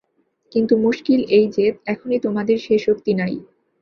কিন্তু মুশকিল এই যে, এখনই তোমাদের সে শক্তি নাই।